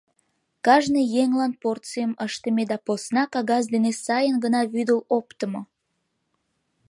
Кажне еҥлан порцийым ыштыме да посна кагаз дене сайын гына вӱдыл оптымо.